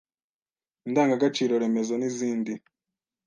indangagaciro remezo n’izindi